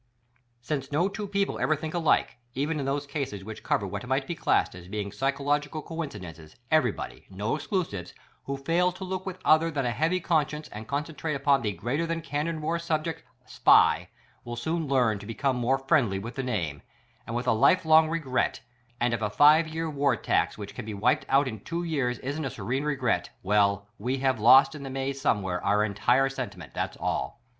Since no two people ever think alike, even in those cases which cover what might be classed as being psychological coincidences, everybody, no exclusives, who fail to look with other than a heavy conscience, and concentrate upon the "greater than cannon roar" subject," SPY, will soon learn to become more friendly with the name, and with a life long regret; and if a five year WAR tax which can be wiped out in two years isn't a serene regret— well, we have lost in the maze somewhere our entire sentiment, that's all!